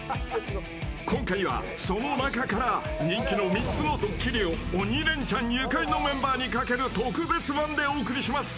今回は、その中から人気の３つのドッキリを「鬼レンチャン」ゆかりのメンバーにかける特別版でお送りします。